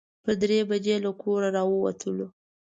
پر درې بجې له کوره راووتلو.